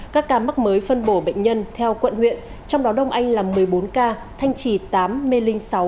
các ca mắc mới phân bổ bệnh nhân theo quận huyện trong đó đông anh là một mươi bốn ca thanh trì tám mê linh sáu